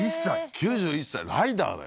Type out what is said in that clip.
９１歳ライダーだよ